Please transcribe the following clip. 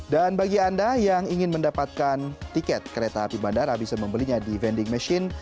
dan bagi anda yang ingin mendapatkan tiket kereta api bandara bisa membelinya di vending machine